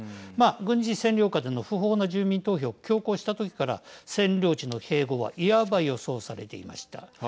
軍事占領下での不法な住民投票を強行した時から占領地の併合はいわば予想されていました。